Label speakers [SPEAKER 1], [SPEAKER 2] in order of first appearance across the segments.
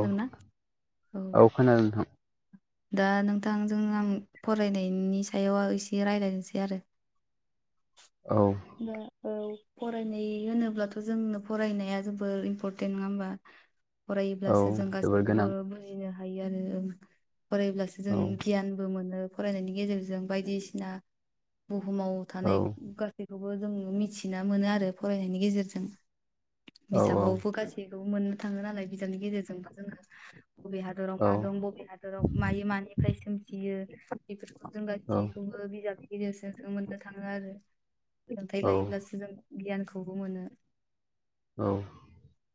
[SPEAKER 1] औ औ खोनादों नोंथां।
[SPEAKER 2] दा नोंथांजों आं फरायनायनि सायाव एसे रायज्लायनोसै आरो।
[SPEAKER 1] [unintelligible] औ
[SPEAKER 2] न औ। फरायनाय होनोब्लाथ' जोंनो फरायनाया जोबोर इम्परटेन्ट नङा होमबा फराय
[SPEAKER 1] औ
[SPEAKER 2] जों
[SPEAKER 1] जोबोर
[SPEAKER 2] गसैखौबो
[SPEAKER 1] गोनां
[SPEAKER 2] बुजिनो हायो आरो फरायब्लासो जों
[SPEAKER 1] औ
[SPEAKER 2] गियानबो मोनो। फरायनायनि गेजेरजों बायदिसिना बुहुमाव
[SPEAKER 1] औ
[SPEAKER 2] थानाय गासैखौ जों मिथिना मोनो आरो फरायनायनि गेजेरजों
[SPEAKER 1] औ
[SPEAKER 2] बिजाबावबो गासै मोननो थाङो नालाय बिजाबनि गेजेरजोंबो जोङो। बबे हादराव
[SPEAKER 1] औ
[SPEAKER 2] मा दं बबे हादराव मायो मानिफ्राय सोमजियो बेफोरखौ। जों
[SPEAKER 1] औ
[SPEAKER 2] गसैखौबो बिजाबनि गेजेरजों सो मोन्नो थाङो आरो
[SPEAKER 1] औ
[SPEAKER 2] सोलोंथायाइ लायोब्लासो जों गियानखौबो मोनो।
[SPEAKER 1] औ।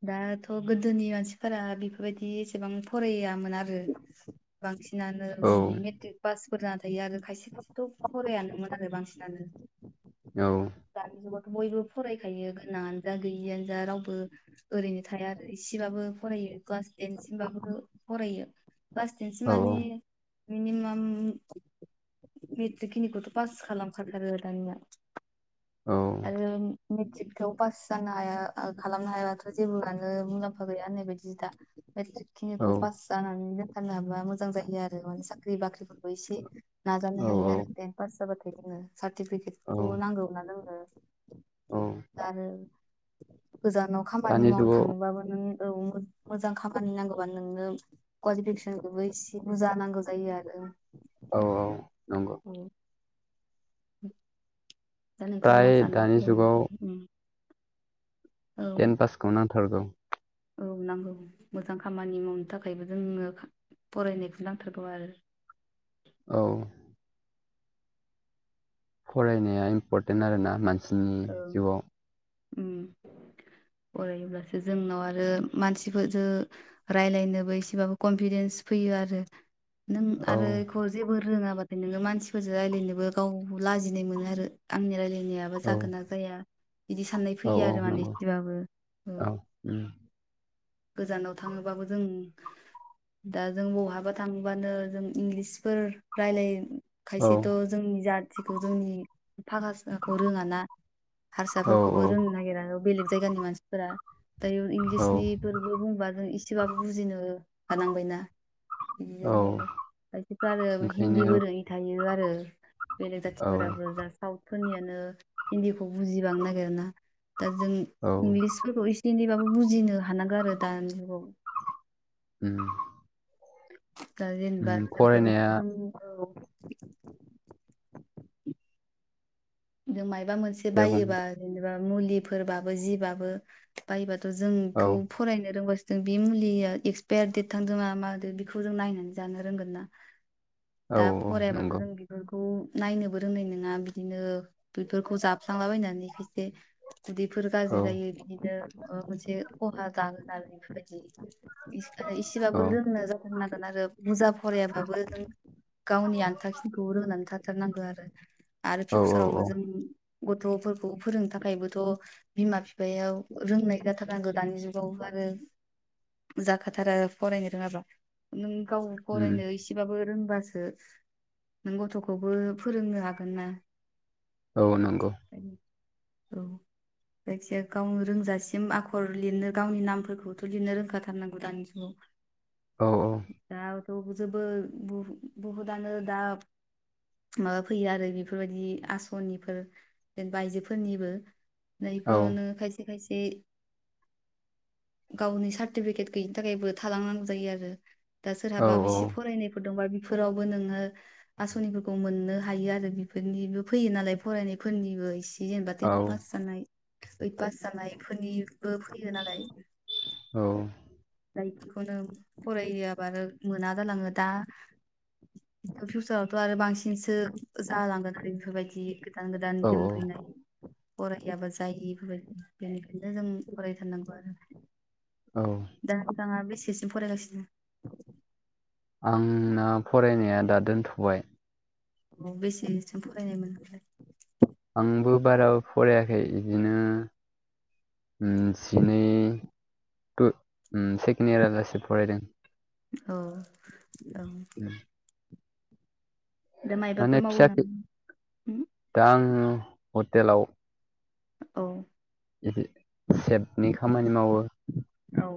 [SPEAKER 2] दाथ' गोदोनि मानसिफोरा बेफोरबायदि एसेबां फरायामोन आरो बांसिन मानो बांसिनानो बिदि मेट्रिक पासफोर जाना थायो आरो खायसे खायसेथ' फरायानोमोन आरो बांसिनानो।
[SPEAKER 1] औ।
[SPEAKER 2] दानि जुगावथ' बयबो फरायखायो गोनाङानो जा गैयियानो जा रावबो ओरैनो थाया आरो इसेबाबो फरायो। क्लास टेनसिमबाबो फरायो क्लास टेनसिम माने मिनिमाम मेट्रिक खिनिखौथ' पास खालामखाथारो दानिया आरो मेट्रिकगाव पास जानो हाया खालामनो हायाबाथ' जेबोआानो मुलाम्फा गैया होननाय बायदिसो दा। मेट्रिक खिनिखौ पास जानानै दोनथारनो हाबा मोजां जायो आरो माने साख्रि बाख्रिफोरबो एसे नाजानो हायो
[SPEAKER 1] औ औ
[SPEAKER 2] आरो टेन पास जाबाथाय जोंङनो सार्टिफिकेटखौ
[SPEAKER 1] औ
[SPEAKER 2] नांगौ ना जोंनो
[SPEAKER 1] औ
[SPEAKER 2] आरो गोजानाव खामानि
[SPEAKER 1] दानि
[SPEAKER 2] मावनो
[SPEAKER 1] जुगाव
[SPEAKER 2] थांनोबाबो नों औ मोमोजां खामानि नांगौबा नोंनो कुवालिफिकेसनखौबो इसे बुरजा नांगौ जायो आरो।
[SPEAKER 1] औ औ नंगौ।
[SPEAKER 2] औ दा नोंथाङा
[SPEAKER 1] फ्राय
[SPEAKER 2] मा सानो
[SPEAKER 1] दानि जुगाव
[SPEAKER 2] ओरैनो उम। औ
[SPEAKER 1] टेन पासखौ नांथारगौ।
[SPEAKER 2] औ नांगौ मोजां खामानि मावनो थाखायबो जोंनो फरायनायखौ नांथारगौ आरो।
[SPEAKER 1] औ। फरायनाया इम्परटेन्ट आरोना मानसिनि
[SPEAKER 2] औ
[SPEAKER 1] जिउआव।
[SPEAKER 2] उम। फरायोब्लासो जोंनाव आरो मानसिफोरजों रायलायनोबो एसेबाबो कनफिदेन्स फैयो आरो नों
[SPEAKER 1] औ
[SPEAKER 2] आरो बेखौ जेबो रोङाबाथाय नोङो मानसिफोरजों राय्लायनोबो गाव लाजिनाय मोनो आरो आंनि रायलायनाया
[SPEAKER 1] औ
[SPEAKER 2] गोनां जाया बिदि साननाय
[SPEAKER 1] औ
[SPEAKER 2] फैयो
[SPEAKER 1] औ
[SPEAKER 2] आरो माने
[SPEAKER 1] नंगौ
[SPEAKER 2] इसेबाबो ओ।
[SPEAKER 1] औ उम
[SPEAKER 2] गोजानाव थाङोबाबो जों दा जों बहाबा थांबानो जों इंलिसफोर रायलाय
[SPEAKER 1] औ
[SPEAKER 2] खायसेथ' जोंनि जाथिखौ जोंनि फाखा फाखौ रोङा ना।
[SPEAKER 1] औ
[SPEAKER 2] हारसाफोरखौबो रोंनो नागिरा बेलेग जायगानि मानसिफोरा दायो
[SPEAKER 1] औ
[SPEAKER 2] इंलिसनि बेबो बुंबा जों इसेबाबो बुजिनो हानांबायना। बिदि
[SPEAKER 1] औ
[SPEAKER 2] जायो आरो खायसेफ्रा आरो हिन्दी बो
[SPEAKER 1] ओंखायनो
[SPEAKER 2] रोङि थायो आरो। बेलेग
[SPEAKER 1] औ
[SPEAKER 2] जाथिफोराबो जा साउथ फोरनियानो हिन्दीखौ बुजिबांनो नागिर ना दा जों
[SPEAKER 1] औ
[SPEAKER 2] इंलिसफोरखौ इसे इनै बेबाबो बुजिनो हानांगोन आरो दानि जुगाव।
[SPEAKER 1] ओम।
[SPEAKER 2] दा जेनेबा [unintelligible] [inaudible] मायबा मोनसे
[SPEAKER 1] दे बुं
[SPEAKER 2] बायोबा जेनेबा मुलिफोरबाबो जिबाबो बायोबा जों
[SPEAKER 1] औ
[SPEAKER 2] बेखौ फरायनो रोंगा जों बे मुलिया एक्सपायार दडेट थांदों मादोंं बेखौ जों नायनानै जानो रोंगोन ना
[SPEAKER 1] औ
[SPEAKER 2] दा फरायाबाथ'
[SPEAKER 1] नंगौ
[SPEAKER 2] जों बेफोरखौ नायनोबो रोंनाय नङा बिदिनो बेफोरखौ जाफ्लालाबायनानै खायसे उदैफोर
[SPEAKER 1] औ
[SPEAKER 2] गाज्रि जायो बिदिनो मोनसे खहा जागोन आरो बेफोर बायदि
[SPEAKER 1] औ
[SPEAKER 2] इसेबाबो रोंनो जाथारनांगोन आरो बुरजा फरायाबाबो नों गावनि आन्थाखिनिखौ रोंनानै थाथारनांगौ आरो आरो
[SPEAKER 1] औ औ औ
[SPEAKER 2] पिसाराव गथ'फोरखौ फोरोंनो थाखायबोथ' बिमा बिफायाव रोंनाय जाथार नांगो दानि जुगाव आरो जाखाथारा फरायनो रोङाबा नों गाव
[SPEAKER 1] उम
[SPEAKER 2] फरायनो इसेबाबो रोंबासो नों गथ'खौबो फोरोंनो हागोन ना
[SPEAKER 1] औ नंगौ
[SPEAKER 2] औ जायखिया गावनो रोंजासिम आखर लिरनो गावनि नामफोरखौथ' लिरनो रोंखाथारनांगौ दानि जुगाव
[SPEAKER 1] औ औ
[SPEAKER 2] थ जोबो बु बुहुदनो दा माबा फैयो आरो बेफोरबायदि आस सनिफोर जेनेबा आयजोफोरनिबो
[SPEAKER 1] औ
[SPEAKER 2] नैफोरावनो खायसे खायसे ए गावनि सार्टिफिकेट गैयिनि थाखायबो थालांनांगौ जायो आरो दा
[SPEAKER 1] औ
[SPEAKER 2] सोरहाबाबो एसे फरायनायफोर दंबा बेफोरावबो नोङो आसनिफोरखौ मोननो हायो आरो बेफोरनिबो फैयो नालाय फरायनायफोरनिबो इसे जेनेबा
[SPEAKER 1] औ
[SPEAKER 2] टेन पास जानाय ओइट पास जानायफोरनिबो फैयो नालाय
[SPEAKER 1] औ
[SPEAKER 2] जाय बेखौनो फरआाबानो मोना जालाङो दा फिउसारावथ' आरो बांसिनसो जालांगोन आरो बेफोरबायदि गोदान गोदान
[SPEAKER 1] औ
[SPEAKER 2] नेम फैनाय फरायाबा जायो बेफोरबायदि बेनिखायनो जों फरायथारनांगौ आरो
[SPEAKER 1] औ
[SPEAKER 2] दा सिगाङा बेसेसिम फरायगासिनो
[SPEAKER 1] उम आं फरायनाया दा दोनथ'बाय
[SPEAKER 2] औ बेसेसोम फरायनायमोनओफ्राय
[SPEAKER 1] आंबो बारा फरायाखै बिदिनो जिनै सेकेणड इयारालासे फरायदों
[SPEAKER 2] औ औ दा
[SPEAKER 1] माने
[SPEAKER 2] मायबाफोर मावो
[SPEAKER 1] फिसाख
[SPEAKER 2] नामा होम
[SPEAKER 1] दा आं हटेलाव
[SPEAKER 2] औ
[SPEAKER 1] सेभनि खामानि मावो
[SPEAKER 2] औ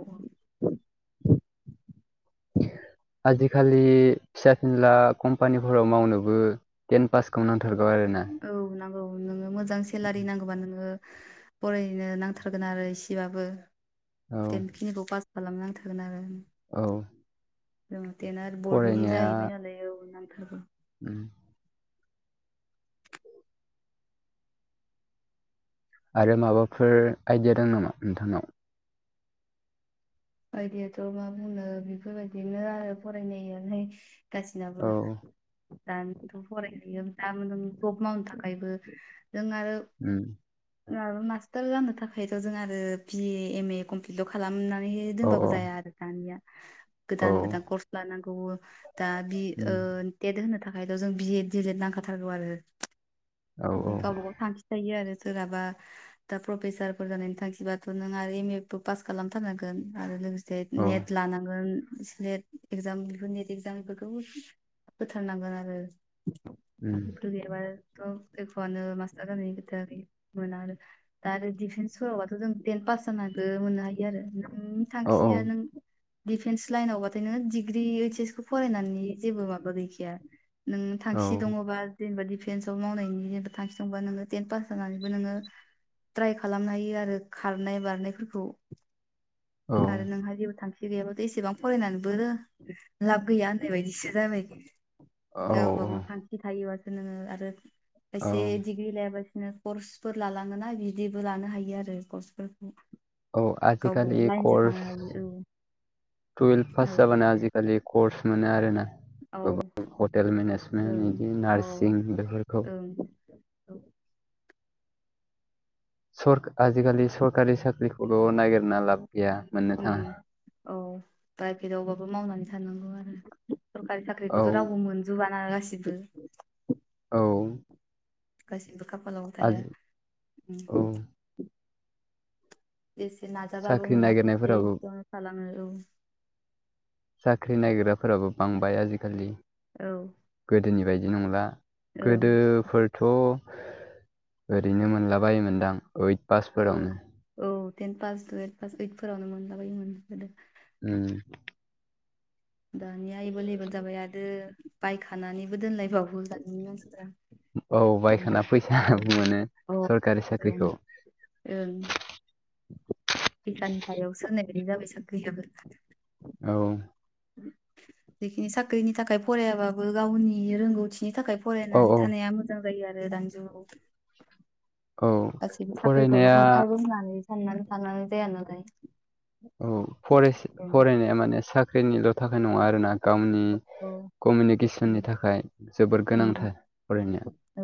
[SPEAKER 1] आजिखालि फिसा फिनला कम्पानिफोराव मावनोबो टेन पासखौ ना थारगौ आरो ना
[SPEAKER 2] औ नांगौ नोङो मोजां सेलारि नांगौबा नोङो फरायनो नांथारगोन आरो इसेबाबो
[SPEAKER 1] औ
[SPEAKER 2] टेन खिनिखौ पास खालाम नांथारगोन आरो
[SPEAKER 1] औ
[SPEAKER 2] जों टेना बर्डनि
[SPEAKER 1] फरायनाया
[SPEAKER 2] जाहैबाय नालाय औ नांथारगै
[SPEAKER 1] उम आरो माबाफोर आइडिया दों नामा नोंथांनाव?
[SPEAKER 2] आइदियाथ' मा बुंनो बेफोरबायदिनो आरो फरायनायालाय गासिनाबो
[SPEAKER 1] औ
[SPEAKER 2] दानथ' फरायहैयो दा नों जब मावनो थाखायबो जों आरो
[SPEAKER 1] उम
[SPEAKER 2] राबो मास्टार जानो थाखायथ' जों आरो बि ए एम ए कमप्लिटल खालामनानै
[SPEAKER 1] औ
[SPEAKER 2] दोनबाबो
[SPEAKER 1] औ
[SPEAKER 2] जाया आरो दानिया।
[SPEAKER 1] औ
[SPEAKER 2] गोदान गोदान कर्स लानांगौ दा बि ओ
[SPEAKER 1] उम
[SPEAKER 2] टेट होनो थाख खायथ जों B Ed D El Ed नांखाथारगौ आरो
[SPEAKER 1] औ
[SPEAKER 2] बिदि
[SPEAKER 1] औ
[SPEAKER 2] गावबा गाव थांखि थायो आरो सोरहाबा दा प्रफेसारफोर जानायनि थांखिबाथ' नों आरो एम ए बो पास खालामथारनांगोन। आरो लोगोसे
[SPEAKER 1] औ
[SPEAKER 2] नेट लानांगोन। NET exam before NET exam बेफोरखौ होथारनांगोन आरो।
[SPEAKER 1] उम
[SPEAKER 2] [unintelligible] थ' एख'आनो मास्टार जायनि खोथा मोना आरो दा आरो दिफेन्सफोरबाथ' जों थेन पा फास जानाबो मोननो हायो आरो नोंनि
[SPEAKER 1] औ औ
[SPEAKER 2] थांखियो नों दिडिफेन्स लाइनावबाथाय नोङो डिग्रि ओइस एस खौ फरायनायनि जेबो माबा गैखाया नों
[SPEAKER 1] औ
[SPEAKER 2] थांखि दङ'बा जेनेबादि फेन्स आव मावनायनि जेबो थांखि दंबा नोङो टेन पास जानानैबो नोङो ट्राइ खालामनो हायो आरो खारनाय बारनायफोरखौ आरो नोंहा जेबो थांखि बे गैयाबाथाय एसेबां फरायनानैबो लाब गैया होननाय बायदिसो जाबाय
[SPEAKER 1] औ
[SPEAKER 2] गावबा
[SPEAKER 1] औ
[SPEAKER 2] गाव थांखि थायोबासो नोङो आरो खायसे डिग्रि लायाबा बिनो कर्सफोर लालाङोना बिदिबो लानो हायो आरो कर्सफोरखौ।
[SPEAKER 1] औ
[SPEAKER 2] गावबा
[SPEAKER 1] आजिखालि
[SPEAKER 2] गाव लाइनजों थांनो
[SPEAKER 1] कर्स
[SPEAKER 2] हायो
[SPEAKER 1] टुवेल्भ
[SPEAKER 2] औ
[SPEAKER 1] पास जाबानो आजिखालि कर्स मोनो आरो ना।
[SPEAKER 2] औ
[SPEAKER 1] हटेल मेनेजमेन्ट
[SPEAKER 2] ओं
[SPEAKER 1] बिदि
[SPEAKER 2] औ
[SPEAKER 1] नार्सिं बेफोरखौ
[SPEAKER 2] ओं औ
[SPEAKER 1] सर आजिखालि सरकारि साख्रिखौल' नागिरना लाब गैया मोननो थाङा
[SPEAKER 2] उम औ प्राइभेटयावबाबो मावनानै थानांगौ आ सरकारि
[SPEAKER 1] औ
[SPEAKER 2] साख्रिखौथ' रावबो मोनजोबाना गासिबो
[SPEAKER 1] औ
[SPEAKER 2] गासैबो खाफालाव थाया
[SPEAKER 1] आजि औ
[SPEAKER 2] एसे नाजाबाबो
[SPEAKER 1] साख्रि
[SPEAKER 2] मोनाखैसै
[SPEAKER 1] नागिरनायफोराबो
[SPEAKER 2] [unintelligible] थालाङो औ
[SPEAKER 1] साख्रि नायग्राफोराबो बांबाय आजिखालि
[SPEAKER 2] औ
[SPEAKER 1] दोनि बायदि नंला
[SPEAKER 2] ओं
[SPEAKER 1] गोदोफोरथ' ओरैनो मोनलाबायोमोनदां ओइथ
[SPEAKER 2] औ
[SPEAKER 1] पासफोरावनो
[SPEAKER 2] औ टेन पास टुवेल्भ पास ओइथफोरावनो मोनलाबायोमोन गोदो
[SPEAKER 1] उम
[SPEAKER 2] दानिया एभेलेबेल जाबाय आदो बायखानानैबो दोनलायबावो दानि मानसिफ्रा।
[SPEAKER 1] औ बायखाना
[SPEAKER 2] मोननो थाङा
[SPEAKER 1] फैसा
[SPEAKER 2] आरो
[SPEAKER 1] मोनो
[SPEAKER 2] अ ओं
[SPEAKER 1] सरखारि साख्रिखौ
[SPEAKER 2] ओं फैसानि सायावसो होन्नाय बायदि जाबाय साख्रियाबो
[SPEAKER 1] औ
[SPEAKER 2] जिखिनि साख्रिनि थाखाय फरायाबाबो गावनि रोंगौथि बिनि थाखाय
[SPEAKER 1] औ औ
[SPEAKER 2] फरायनानै थानाया मोजां जायो आरो दानि जुगाव
[SPEAKER 1] औ
[SPEAKER 2] गासैबो साख्रिखौल'
[SPEAKER 1] फरायनाया
[SPEAKER 2] मोनखागोन होननानै साननानै थानानै जाया नालाय।
[SPEAKER 1] औ फरायस
[SPEAKER 2] औ
[SPEAKER 1] फरायनाया माने साख्रिनिल' थाखाय नङा आरो ना गावनि
[SPEAKER 2] औ
[SPEAKER 1] कमिउनिकेसननि
[SPEAKER 2] उम
[SPEAKER 1] थाखाय जोबोद
[SPEAKER 2] उम
[SPEAKER 1] गोनांथार फरायनाया।
[SPEAKER 2] औ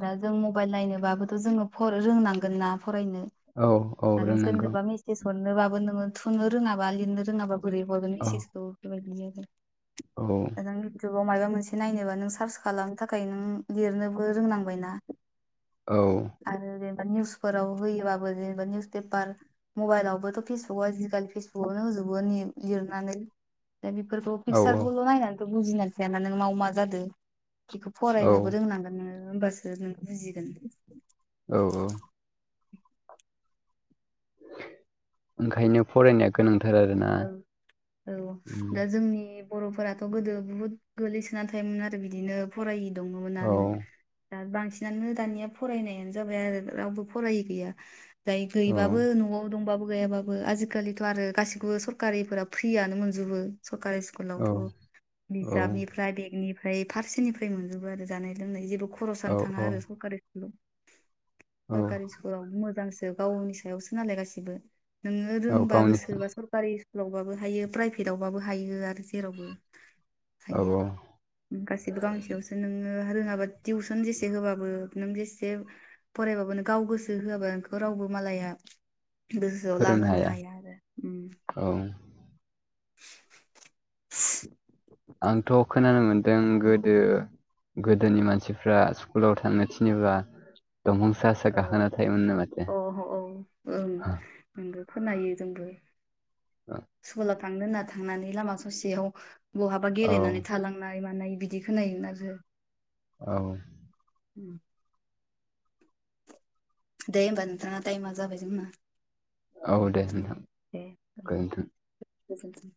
[SPEAKER 2] दा जों मबाइल नायनोबाबोथ' जोङो फ रोंनांगोन ना फरायनो
[SPEAKER 1] औ औ
[SPEAKER 2] ना
[SPEAKER 1] रोंनांगौ
[SPEAKER 2] सोरनोबा मिसेस हरनोबाबो नोङो थुनो रोङाबा लिरनो रोङाबा बोरै हरगोन
[SPEAKER 1] औ
[SPEAKER 2] मेसेसखौ बेबायदि जागोन।
[SPEAKER 1] औ
[SPEAKER 2] नों इउटुबाव मायबा मोनसे नायनोबा नों सार्च खालामनो थाखाय नों लिरनोबो रोंनां बाय ना
[SPEAKER 1] औ
[SPEAKER 2] आरो निउसफोराव होयोबाबो जेनेबा निउस पेपार मबाइलावबोथ' पेसबुकआव आजिखालि पेसबुकआवनो होजु बो नि लिरनानै। दा बेफोरखौ
[SPEAKER 1] औ
[SPEAKER 2] पिकसारखौल' नायनानैथ' बुजिनानै थायाना नों माव मा जादों बेखौ
[SPEAKER 1] औ
[SPEAKER 2] फरायनोबो रोंनांगोन नों होनबासो नों बुजिगोन।
[SPEAKER 1] औ औ। ओंखायनो फरायनाया गोनां।
[SPEAKER 2] औ औ
[SPEAKER 1] उम,
[SPEAKER 2] दा जोंनि बर'फोराथ' गोदो बहुत गोलैसोनानै थायोमोन आरो बिदिनो फरायि दङमोन
[SPEAKER 1] औ
[SPEAKER 2] ना बांसिनानो दानिया फरायनायानो जाबाय आरो रावबो फरायै गैया। जाय
[SPEAKER 1] औ
[SPEAKER 2] गैबाबो न'आव दंबाबो गैयाबाबो आजिखालिथ' आरो गासिबो सरकारिफोरा फ्रियानो मोनजोबो। सरकारि
[SPEAKER 1] औ
[SPEAKER 2] स्कुलावथ' बिजाबनिफ्राय बेग निफ्राय फारसेनिफ्राय मोनजोबो आरो जानाय लोंनाय जेबो
[SPEAKER 1] औ
[SPEAKER 2] खरसआनो थाङा आरो सरकारि स्कुलाव।
[SPEAKER 1] औ
[SPEAKER 2] सरकारि स्कुलाव मोजांसो गावनि सायावसो नालाय गासिबो। नोङो
[SPEAKER 1] औ
[SPEAKER 2] रोंबा
[SPEAKER 1] गावनि
[SPEAKER 2] गोसोबा सर स्कुलावबाबो हायो प्राइभेटावबाबो हायो आरो जेरावबो
[SPEAKER 1] औ
[SPEAKER 2] हायो
[SPEAKER 1] औ
[SPEAKER 2] गासैबो गांसेयावसो नों रोङाबा टिउसन जेसे होबाबो नों जेसे फरायबाबो नों गाव गोसो होआबा नोंखौ रावबो मालाया गोसोआव लाहोनो हाया आरो उम।
[SPEAKER 1] औ।
[SPEAKER 2] [inaudible]
[SPEAKER 1] आंथ' खोनानो मोनदों गोदो गोदोनि मानसिफ्रा स्कुलाव थांनो थिनोबा दंफां सा सा
[SPEAKER 2] औ
[SPEAKER 1] गाखोना थायोमोन नो माथो ‍?
[SPEAKER 2] अ औ ओं नोंगो खोनायो जोंबो स्कुलाव थांनो होनना थांनानै लामा ससेयाव बहाबा
[SPEAKER 1] औ
[SPEAKER 2] गेलेनानै थालांनाय मानाय बिदि खोनायोमोन आरो।
[SPEAKER 1] औ
[SPEAKER 2] [inaudible] दे होनबा नोंथां टाइमआ जाबाय जोंना।
[SPEAKER 1] औ दे नोंथां
[SPEAKER 2] दे
[SPEAKER 1] गोजोन्थों।
[SPEAKER 2] गोजोनथों।